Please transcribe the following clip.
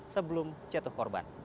sebelum jatuh korban